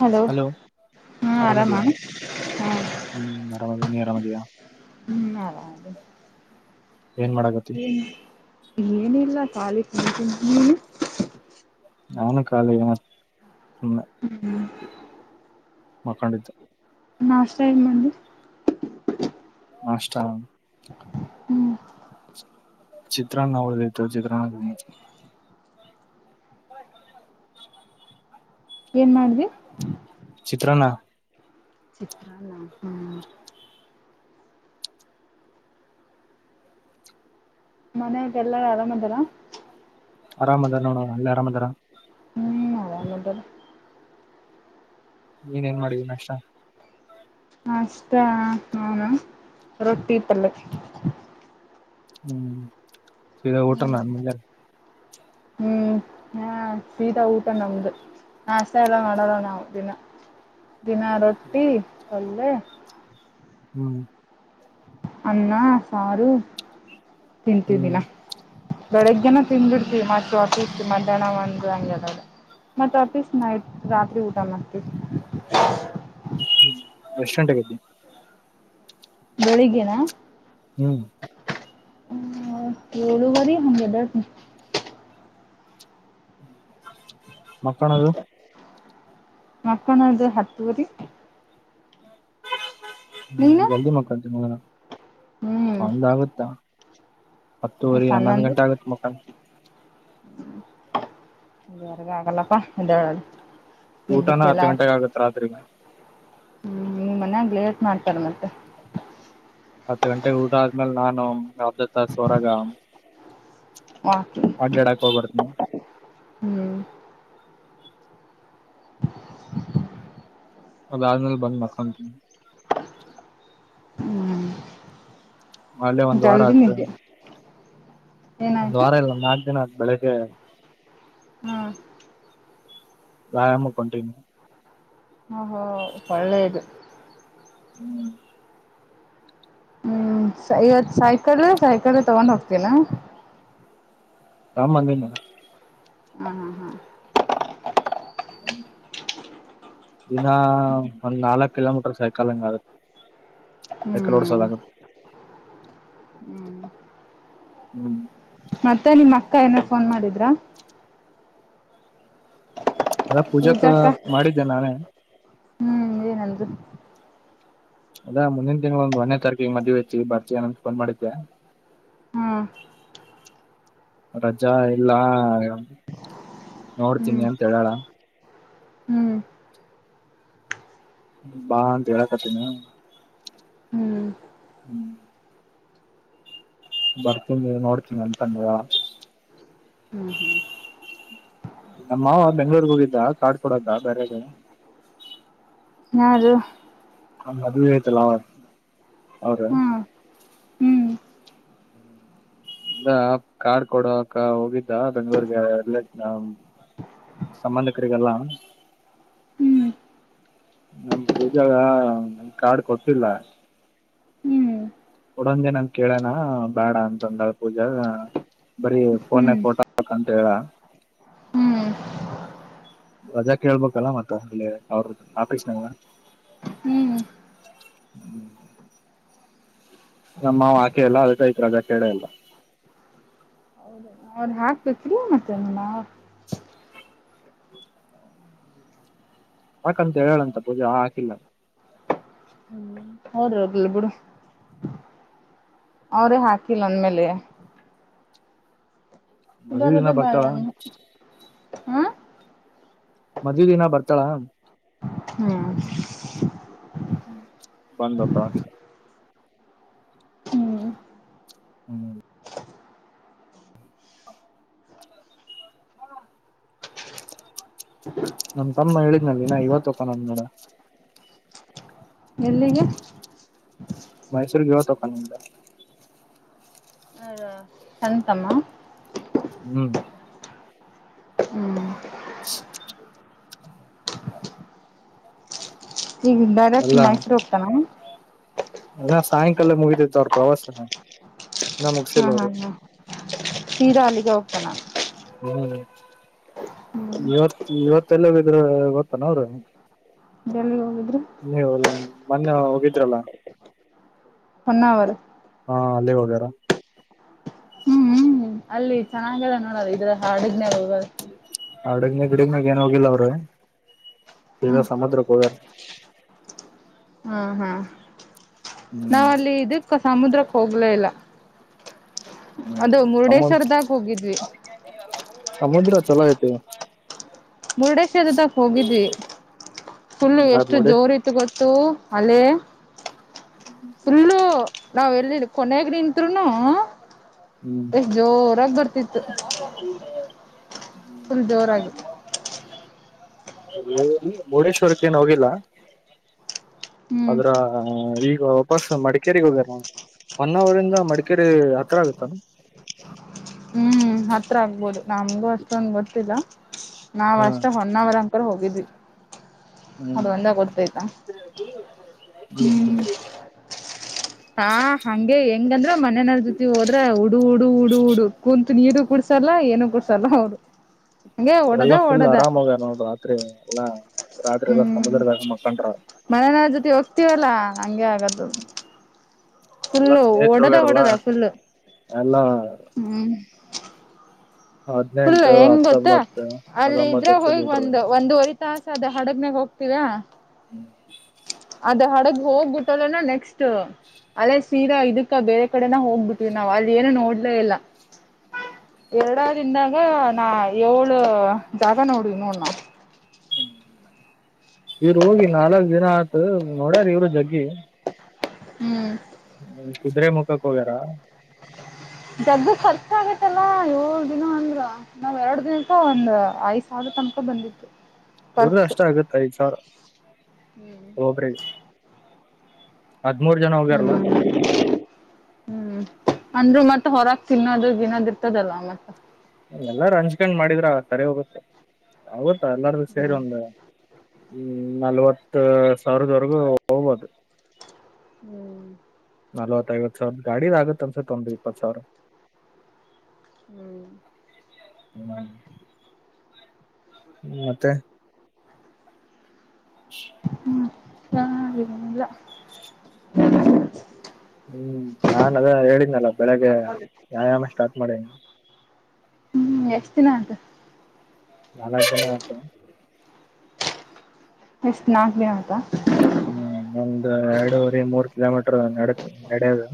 Hello ಹಾ ಆರಾಮಾ ಆರಾಮದಿಯಾ ಹಾ. ಹ್ಮ್ ಆರಾಮದಿ ನೀ ಆರಾಮದಿಯಾ ಹ್ಮ್ ಆದುರೂ ಏನ್ ಮಾಡಕತಿ ಏನು. ಏನಿಲ್ಲ ಕಾಲಿ ಕುಂತಿದ್ದ ನೀ. ನಾನು ಕಾಲನ ಸುಮ್ಮನೆ ಮಕೊಂಡಿದ್ದೆ ನಮಸ್ತೆೇ ಇಮ್ಮಿ [unintelligible] ಅಷ್ಟ ಹ್ಮ್ ಚಿತ್ರಾನ್ನ ಉಳದ ಚಿತ್ರಾ ಏನು ಮಾಡಿದೆ ಚತ್ರನಾ ಚಿತ್ರನ್ನ ಆ. ಮನೆಗ ಎಲ್ಲರೂ ಆರಾಮ್ ಅದ್ದಾರ. ಆರಾಮ ಅದಾರ ನೋಡ ಅಲ್ಲಿ ಆರಾಮ ಅದಾರ ಹ್ಮ ಅದ ಮೊದಲು. ನೀನು ಏನು ಮಾಡಿದಿ ನಾಷ್ಟ. ಅಷ್ಟ ನಾನು ರೊಟ್ಟಿ ಪಲ್ಯ. ಹ್ಮ್ ಸಿದಾ ಹ್ಮ್ ಊಟನ ಆದ ಮೇಲೆ. ಹ್ಮ್. ಸಿದಾ ಊಟ ನಮ್ದು ನಾಷ್ಟ ಎಲ್ಲಾ ಮಾಡೋಲ್ಲ ನಾವು ದಿನ. ದಿನ ರೊಟ್ಟಿ ಪಲ್ಯ. ಹ್ಮ್. ಅನ್ನ ಸಾರು ತಿಂತಿವಿ ಹ್ಮ್ ದಿನಾ ಬೆಳಿಗ್ಗೆನೆ ತಿಂದ್ಬಿಡ್ತಿವಿ ಮತ್ತೆ ಆಫೀಸ್ ಮಧ್ಯಾಹ್ನ ಒಂದು ಹಂಗ ಎರಡು. ಮತ್ತ ಆಫಿಸ್ ನೈಟ್ ರಾತ್ರಿ ಊಟ ಮಾಡ್ತೀನಿ. ಹ್ಮ ಎಷ್ಟು ಗಂಟಾಗೈತಿ ಬೆಳಿಗ್ಗೆ ನಾ ಹ್ಮ್ ಹೂ ಎಳುವರಿ ಅಂಗ್ ಎದೆಳ್ತೀನಿ ಮಕ್ಕೊಳದು ಮಕ್ಕೊಳದು ಹತ್ತುವರಿ ಹ್ಮ ನೀನು ಜಲ್ದಿ ಮಲ್ಕೊತೀನಿ ಹ್ಮ್ ಒಂದಾಗುತ್ತ [unintelligible] ಹತ್ತುವರಿ ಹನ್ನೊಂದು ಗಂಟೆ ಆಗುತ್ತೆ ಮುಖಂಡ ಹ್ಮ ಇಲ್ಲಿವರೆಗ ಆಗಲ್ಲಪ್ಪಾ ಇದ್ದ ಹೇಳದು [unintelligible] ಊಟನ ನಿದ್ದಕ್ಕೆ ಎಲ್ಲ ಹತ್ತು ಹಾ ಗಂಟೆಗೆ ಆಗತ್ ರಾತ್ರಿ ಹ್ಮ ನಿಮ್ ಮನ್ಯಾಗ ಲೇಟ್ ಮಾಡ್ತಾರೆ ಮತ್ತೆ ಹತ್ತು ಗಂಟೆ ಊಟ ಆದ್ಮೇಲೆ ನಾನು ಅರ್ಧ ತಾಸ ಹೊರಾಗ ಹಾ ಅಡ್ಡಾಡಾಕ್ ಹೋಗಬರ್ತೀನಿ ಹ್ಮ್ ಅದಾದ್ಮೇಲೆ ಬಂದ ಮಕ್ಕೋನಿ ಹ್ಮ್ ಮೊನ್ನೆ ಒಂದ್ ವಾರ ಜಲ್ದಿ ಆತ ನಿದ್ದೆ ಒಂದ್ ಏನಾಯ್ತು ವಾರ ಇಲ್ಲ ಒಂದ ನಾಕ್ ದಿನ ಬೆಳಿಗ್ಗೆ ಹ್ಮ್ ವ್ಯಾಯಾಮಕ ಹೊಂಟಿನಿ ಹ ಹೋ ಒಳ್ಳೇದು ಹ್ಮ್ ಹ್ಮ್ [unintelligible] ಇವತ್ ಸೈಕಲ್ ಸೈಕಲ್ ತಗೊಂಡ್ ಹೋಗತ್ತಿಯಲಾ ತಗೊಂಡ್ ಬಂದೀನಿ ಹ್ಮ್ ಹ್ಮ ಹ್ಮ್ ದಿನ ಒಂದ್ ನಾಲ್ಕ ಕಿಲೋಮೀಟರ್ ಸೈಕಲ್ ಹಂಗ ಆಗುತ್ತ ಸೈಕಲ್ ಹ್ಮ್ ಓಡ್ಸೋದು ಆಗತ ಹ್ಮ್ ಹ್ಮ್ ಮತ್ತೆ ನಿಮ್ಮ್ ಅಕ್ಕ ಏನ್ ಫೋನ್ ಮಾಡಿದ್ರಾ ಅದೇ ಪೂಜಾಕ ಪೂಜಾಕ್ಕ ಮಾಡಿದ್ದೆ ನಾನೇ ಹ್ಮ್ ಏನಂದ್ರು ಅದಾ ಮುಂದಿನ ತಿಂಗಳ ಒಂದು ಒಂದನೇ ತಾರೀಕಿಗೆ ಮದವಿ ಐತಿ ಬರ್ತೀಯನ್ ಅಂತ ಫೋನ್ ಮಾಡಿದ್ದೆ ಹಾ ರಜಾ ಇಲ್ಲಾ ನೋಡ್ತೀನಿ ಹ್ಮ್ ಅಂತ ಹೇಳ್ಯಾಳ ಹ್ಮ್ ಬಾ ಅಂತ ಹೇಳಕತಿನಿ ಹ್ಮ್ ಹ್ಮ್ ಬರ್ತನಿ ನೋಡ್ತೀನಿ ಅಂತಂದ ಹ್ಮ್ ಹ್ಮ್ ನಮ್ಮ ಮಾವ ಬೆಂಗಳೂರಿಗೆ ಹೋಗಿದ್ದ ಕಾರ್ಡ್ ಕೊಡಾಕ ಬೇರೆದ್ ಯಾರು ಮದುವೆ ಆಯ್ತಲ್ಲ ಅವ ಅವರು ಹ್ಮ ಹ್ಮ್ ಕಾರ್ಡ್ ಕೊಡಕ ಹೋಗಿದ್ದ ಬೆಂಗಳೂರಿಗೆ ಸಂಬಂಧಿಕರಿಗೆಲ್ಲಾ ಹ್ಮ್ ನಮ್ ಪೂಜಾಗ ಕಾರ್ಡ್ ಕೊಟ್ಟಿಲ್ಲ ಹ್ಮ್ ಕೊಡಂದೆನಂತ ಕೇಳೇನ ಬೇಡ ಅಂತಂದಾಳ ಪೂಜಾ ಬರೀ ಫೋನ್ಗ್ ಹ್ಮ್ ಫೋಟೊ ಅಂತ ಹೇಳ ಹ್ಮ್ ರಜೆ ಕೇಳ್ಬೇಕಲ್ಲ ಮತ್ತ ಅಲ್ಲಿ ಅವ್ರ ಆಫೀಸ್ನಾಗ ಹ್ಮ್ [inaudible] ನಮ್ಮ ಆಕೆ ಆಕೇಯಿಲ್ಲ ರಜೆ ಕೇಳೇ ಇಲ್ಲ ಅವ್ ಹಾಕ್ಬೇಬೇಕು ಮತ್ತೆ ಹಾಕಂತ ಹೇಳ್ಯಳಂತ ಪೂಜಾ ಹಾಕಿಲ್ಲ ಹೋದೋಗ್ಲಿ ಬಿಡು ಅವ್ರೇ ಹಾಕಿಲ್ಲ ಅಂದ್ಮೇಲೆ ಮದ್ವಿ ದಿನ ಬರೋದೆ ಬರ್ತಾಳ ಬೇಡನೀ ಹಾ ಮದುವೆ ದಿನ ಬರ್ತಾಳಾ ಹ್ಮ್ ಬಂದಬೇಕ ಹ್ಮ್ ಹ್ಮ್ ನನ್ ತಮ್ಮ ಹೇಳಿದ್ನಲ್ಲಿ ನಾ ಇವತ್ತು ಓಪನ್ ಆಯ್ತು ನೋಡ ಎಲ್ಲಿಗೆ ಮೈಸೂರಿಗೆ ಇವತ್ತು ಓಪನ್ ಇತ್ತು ಸಣ್ಣ ತಮ್ಮ ಹ್ಮ್ ಹ್ಮ್ [inaudible] ಈಗ ಡೈರೆಕ್ಟ್ ಮೈಸೂರು ಹೋಗ್ತಾನ ಇಲ್ಲ ಸಾಯಂಕಾಲ ಮುಗಿತಿತ್ತು ಅವ್ರ ಪ್ರವಾಸ ಇನ್ನ ಹಾ ಮುಗಸಿಲ್ಲ ಹಾ ಅವರು ಹಾ ಸೀದಾ ಅಲ್ಲಿಗೆ ಹೋಗ್ತಣ ಹ್ಮ್ ಹ್ಮ್ ಇವತ್ ಇವತ್ತು ಎಲ್ಲಿಗೆ ಹೋಗಿದ್ರಿ ಗೊತ್ತಾನೇ ಅವರು ಎಲ್ಲಿ ಹೋಗಿದ್ರಿ ನೀವು ಮೊನ್ನೆ ಹೋಗಿದ್ರಲ್ಲ ಹೊನ್ನವರ ಹಾ ಅಲ್ಲೇ ಹೋಗ್ಯಾರ ಹ್ಮ್ ಹ್ಮ್ ಅಲ್ಲಿ ಚೆನ್ನಾಗದ ನೋಡ್ರ ಇದು ಹಾಡಗ್ನ ಹೋಗದು ಹಡಗ್ನ ಗಿಡಗ್ನಾಗ ಏನ್ ಹೋಗಿಲ್ಲ ಅವ್ರರು ಹ್ಮ್ ತೀರ ಸಮುದ್ರಕ್ಕೆ ಹೋಗ್ಯಾರ ಹಾ ಹಾ ಹ್ಮ್ ನಾವ್ ಅಲ್ಲಿ ಇದಕ್ಕ ಸಮುದ್ರಕ್ಕೆ ಹೋಗ್ಲ ಇಲ್ಲ ಅದು ಸಮ ಮುರುಡೇಶ್ವರದಾಗ ಹೋಗಿದ್ವಿ ಸಮುದ್ರ ಚಲೋ ಐತೆ ಮುರುಡೇಶ್ವರದಾಗ ಹೋಗಿದ್ವಿ ಫುಲ್ಲು ಯಾರ್ ಎಷ್ಟು ನೋಡಿ ಜೋರ್ ಇತ್ತು ಇತ್ತು ಗೊತ್ತು ಅಲ್ಲಿ ಫುಲ್ಲು ನಾವ್ ಎಲ್ಲಿ ಕೊನೆಗೂ ನಿಂತ್ರುನು ಹ್ಮ್ ಎಷ್ಟ್ ಜೋರಾಗಿ ಬರ್ತಿತ್ತು ಫುಲ್ ಜೋರಾಗಿ ಮುರ್ಡೇಶ್ವರಕ್ಕ ಏನು ಹೋಗಿಲ್ಲ ಹ್ಮ್ ಅದ್ರ ಹ ಈಗ ವಾಪಸ್ ಮಡಿಕೇರಿಗೆಗ ಹೋಗಾರ ಹೊನ್ನವರಿಂದ ಮಡಿಕೇರಿ ಹತ್ರ ಆಗುತ್ತಲ್ಲ ಹ್ಮ್ ಹತ್ರ ಆಗ್ಬೋದು ನಮ್ಗೂ ಅಷ್ಟೊಂದು ಗೊತ್ತಿಲ್ಲ ನಾವ್ ಹ್ಮ ಅಷ್ಟ ಹೊನ್ನಾವರ್ ಅಂಕರ್ ಹೋಗಿದ್ವಿ ಹ್ಮ್ ಅದು ಒಂದ ಗೊತ್ತಾಯ್ತಾ ಹ್ಮ್ ಹಾ ಹಂಗೆ ಹೆಂಗಂದ್ರ ಮನನ ಜೊತಿ ಹೋದ್ರೆ ಹುಡು ಹುಡು ಹುಡು ಹುಡು ಕು ನೀರು ಕುೂಡ್ಸಲ್ಲ ಏನು ಕುಡ್ಸಲ್ಲ ಅವ್ರ ಇಲ್ಲಾ ಫುಲ್ ಆರಾಮೋಗ ನೋಡ್ ರಾತ್ರಿ ಎಲ್ಲಾ ರಾತ್ರಿ ಎಲ್ಲ ಸಮುದ್ರದಾಗ ಮಕ್ಕಂಡ್ರ ಮನೆನಾ ಜೊತೆ ಹೋಗ್ತೀವಲ್ಲಾ ಹಂಗೆ ಆಗದ್ದು ಎಲ್ಲ ಸ್ನೇಹತ್ರು ಹೋಗಾರಲ್ಲ ಓಡದ ಫುಲ್ಲು ಎಲ್ಲ ಹ್ಮ್ ಫುಲ್ ಹದ್ನೆಂಟು ಹೆಂಗ್ ಗೊತ್ತ ಹತ್ತೊಂಬತ್ತು ಅಲ್ಲಿ ಹತ್ತೊಂಬತ್ತು ಇದ್ರೆ ವರ್ಷದ ಹೋಗಿ ಹುಡ್ರು ಒಂದು ಒಂದ್ವರಿ ತಾಸ ಅದ ಹಡಗ್ನಾಗ ಹೋಗ್ತೀವ ಹ್ಮ ಅದ ಹಡಗ ಹೋಗ್ಬಿಟ್ಟದನ ನೆಕ್ಸ್ ಅಲೆ ತೀರಾ ಇದಕ್ಕ ಬೇರೆ ಕಡೆನ ಹೋಗ್ಬಿಟ್ವಿ ನಾವ್ ಅಲ್ಲಿ ಏನು ನೋಡ್ಲೇ ಇಲ್ಲ ಎರಡಾರಿಂದಾಗ ನಾ ಏಳು ಜಾಗ ನೋಡಿವಿ ನೋಡ್ ನಾವ್ ಇವರು ಹೋಗಿ ನಾಲ್ಕ್ ದಿನ ಆಯ್ತು ನೋಡ್ಯಾರ ಇವರು ಜಗ್ಗಿ ಹ್ಮ ಕುದುರೆ ಮುಖಕ್ ಹೋಗ್ಯಾರ ಜಗ್ ಖರ್ಚಾಗತ್ತಲ್ಲ ಏಳ ದಿನ ಅಂದ್ರು ನಾವ್ ಎರಡು ದಿನಕ್ಕ ಒಂದ್ ಐದ್ ಸಾವಿರ ತನಕ ಬಂದಿತ್ತು ಇವ್ರ ಖರ್ಚು ಅಷ್ಟ ಆಗುತ್ತೆ ಐದು್ ಸಾವಿರ ಹ್ಮ್ ಓಬ್ರೇಜ್ ಹದ್ರ್ ಜನ ಹೋಗ್ಯಾರಲ್ಲಾ ಹ್ಮ್ ಹ್ಮ್ ಅಂದ್ರು ಮತ್ತೆ ಹೊರಗ್ ತಿನ್ನೋದ್ರು ದಿನದ ಇರ್ತದಲ್ಲ ಮತ್ತೆ ಎಲ್ಲಾರ ಹಂಚ್ಕೊಂಡ್ ಮಾಡಿದ್ರ ಸರಿ ಹೋಗುತ್ತೆ ಆಗುತ್ತಾ ಎಲ್ಲಾರು ಸೇರಿ ಹ್ಮ್ ಒಂದು ಹ್ಮ್ ನಲ್ವತ್ ಸಾವಿರದವರೆಗೂ ಹೋಗ್ಬಹದು ಹ್ಮ್ ನಲವತ್ತವತ್ತು ಸಾವಿರ ಗಾಡಿ ಆಗತ್ತ ಅನ್ಸೆ ಒ ಇಪ್ಪತ್ತು ಸಾವಿರ ಹ್ಮ್ ಹ್ಮ ಹ್ಮ ಮತ್ತೆ ಹ ಹ್ಮ್ ನಾಗಿದ್ದೇನಲ್ಲ ಹ್ಮ್ ನಾನ್ ಅದ ಹೇಳಿದನಲ್ಲ ಬೆಳಿಗ್ಗೆ ವ್ಯಾಯಾಮ ಸ್ಟಾರ್ಟ್ ಮಾಡೇನಿ ಹ್ಮ್ ಎಷ್ಟ್ ದಿನ ಅಂತು ನಲಜನ ಆತನೆ ಎಷ್ಟು ನಾಲ್ಕ್ ದ ಆಯ್ತಾ ಹ್ಮ್ ಒಂದು ಎರಡೂವರಿ ಮೂರ್ ಕಿಲೋಮೀಟರ್ ನಡ ನಡದು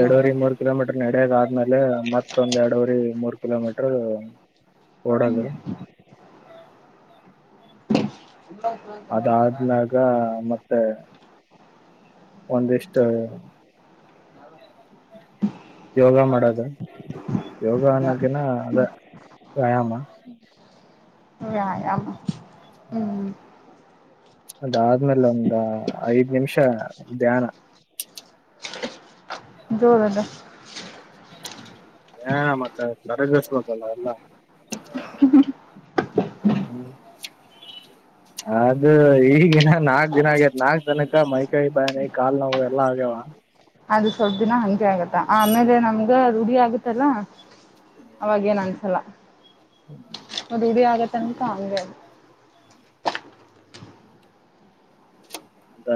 ಎರಡೂರೆ ಮೂರ್ ಕಿಲೋಮೀಟರ್ ನಡಯದ ಆದ್ಮೇಲೆ ಮತ್ತೊಂದ ಎರಡವರಿ ಮೂರ್ ಕಿಲೋಮೀಟರು ಓಡೋಗ ಅದಾದಮ್ಯಾಗ ಮತ್ತೆ ಒಂದಿಷ್ಟು ಯೋಗ ಮಾಡದು ಯೋಗ ಅನ್ನೋಕಿನ ಅದ ವ್ಯಾಯಾಮ. ವ್ಯಾಯಮ ಹ್ಮ್. ಅದಾದ್ಮೇಲೆ ಒಂದ ಐದ್ ನಿಮಿಷ ಧ್ಯಾನ. ಜೋರಾಗ. ಧ್ಯಾನ ಮಾಡ್ತಾ ಇದ್ದೀರಾ ಹೊರಗೆ ನಿಲ್ಲಿಸಬೇಕು ಎಲ್ಲರೂ [inaudible] ಅದು ಈಗಿನ ನಾಕ್ ದಿನ ಆಗ್ಯತ್ ನಾಕ್ ತನಕ ಮೈಕೈ ಬಾನಿ ಕಾಲು ನೋವು ಎಲ್ಲಾ ಆಗ್ಯಾವ. ಅದು ಸ್ವಲ್ಪ ದಿನ ಹಂಗೆ ಆಗುತ್ತೆ ಆಮೇಲೆ ನಮ್ಗೆ ಈಗ ರೂಢಿ ಆಗುತ್ತಲ್ಲ ಅವಾಗೇ ಏನ್ ಅನ್ಸಲ್ಲ. ರೂಡಿ ಆಗ ತನಕ ಅಂಗೇ ಅದು.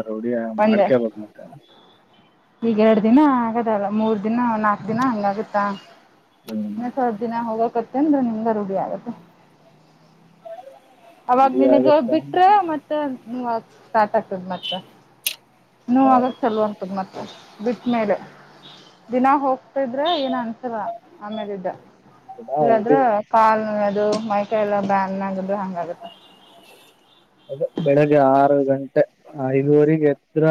ರೂಡಿಯ ಒಂದೆ ಮಾಡ್ಕೇಬೇಕು ಮತ್ತ ಈಗ ಎರಡು ದಿನ ಆಗದಲ್ಲ ಮೂರ್ ದಿನ ನಾಕು ದಿನ ಹಂಗಗತ್ತಾ ಹ್ಮ್ ಇನ್ನ ಸ್ವಲ್ಪ ದಿನ ಹೋಗಕತ್ತ ಅಂದ್ರ ನಿಮ್ಗ ರೂಢಿ ಆಗತ್ತೆ. ಅವಾಗ ರೂಢಿ ನಿನಗ್ ಆಗತ್ತ ಬಿಟ್ರೆ ಮತ್ತೆ ಸ್ಟಾರ್ಟ್ ಆಕತದ ಮತ್ತ. ನೋವು ಆಗ ಚಲುವ ಅಂತದ ಮತ್ತೆ. ಬಿಟ್ಟ್ಮೇಲೆ ದಿನ ಹೋಗ್ತಿದ್ರೆ ಏನ್ ಅನ್ಸಲ್ಲಾ ಆಮೇಲಿದ್ದ ದಿನಾ ಒಂದ್ ಇಲ್ಲಾದ್ರ ಕಾಲ್ ನೋಯದು ಮೈಕೈ ಎಲ್ಲ ಬ್ಯಾನ್ ಆಗದ ಹಂಗಗತ್ತ. ಅದ ಬೆಳಿಗ್ಗೆ ಆರು ಗಂಟೆ ಐದುವರೆರಿಗೆ ಎದ್ರ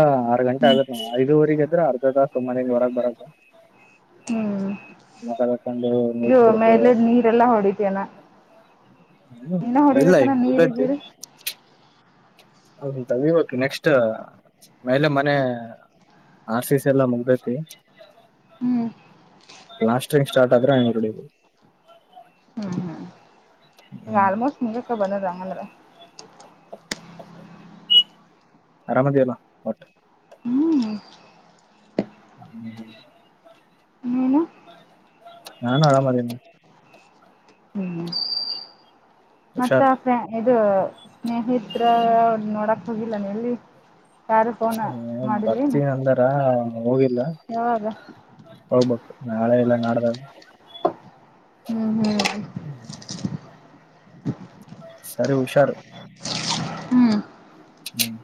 ಗಂಟೆ ಆಗತ್ತ ಐದುವರೆಗ ಎದ್ರೆ ಅರ್ಧ ತಾಸು ಮನೆಯಿಂದ ಹೊರಗೆ ಬರಕ ಹ್ಮ್ [unintelligible] ಕೊಂಡು ನೀರ ಕೊಡದು. ಎಲ್ಲ ನೀರೆ ಎಲ್ಲಾ ಹೊಡಿತ್ಯನಾ ಹ್ಮ್ ನೀನಾ ಇಲ್ಲ ಹೊಡಿಬೇಕಾನ ಈಗ ನೀರು ಮುಗ್ದೈತಿ ಗೀರು ಹೌಂತ ಇವಕ್ ನೆಕ್ಸ್ಟ್ ಮೇಲೆ ಮನೆ ಆರ್ ಸಿ ಸಿ ಎಲ್ಲ ಮುಗ್ದೈತಿ ಹ್ಮ್ ಲಾಸ್ಟಿಂಗ್ ಸ್ಟಾರ್ಟ್ ಆದ್ರೆ ಹೊಡು ಹ್ಮ್ ಹ್ಮ್ ಈಗ ಹ್ಮ್ ಆಲ್ಮೋಸ್ಟ್ ಮುಂಗಕ್ಕೆ ಬಂದದ ಅಂಗಂದ್ರೆ ಆರಾಮದಿ ಅಲ್ಲ ಹ್ಮ್ ಹ ಏನು ನಾನು ಆರಾಮದೇನಿ ಹ್ಮ್ ಹುಷಾರ್ ಮತ್ತೆ ಇದು ಸ್ನೇಹತ್ರರ ನೋಡಕ್ ಹೋಗಿಲ್ಲ ನೀ ಇಲ್ಲಿ ಹ್ಮ ಬರ್ತೀನಿ ಅಂದಾರ ಹೋಗಿಲ್ಲ ಯಾವಾಗ ಹೋಗ್ಬೇಕು ನಾಳೆ ಇಲ್ಲ ನಡ್ದಾಗ ಹ್ಮ್ ಹ್ಮ್ ಹ್ಮ್ಮ ಸರಿ ಹುಷಾರು ಹ್ಮ್ ಹ್ಮ್